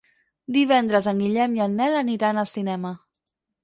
Divendres en Guillem i en Nel aniran al cinema.